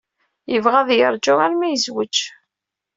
Yebɣa ad yeṛju arma yezwej.